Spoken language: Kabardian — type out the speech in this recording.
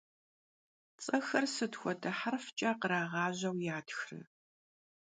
Ts'exer sıt xuede herfç'e khrağajeu yatxre?